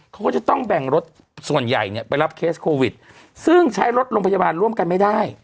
เขาก็จะต้องแบ่งรถส่วนใหญ่เนี่ยไปรับเคสโควิดซึ่งใช้รถโรงพยาบาลร่วมกันไม่ได้